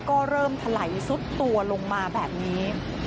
ก็เริ่มทะไหลซุบตัวลงมาแบบนี้